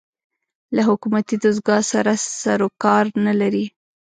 له حکومتي دستګاه سره سر و کار نه لري